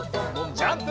ジャンプ！